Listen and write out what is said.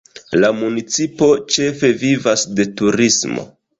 La municipo ĉefe vivas de turismo.